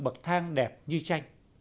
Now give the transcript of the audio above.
vật thang đẹp như tranh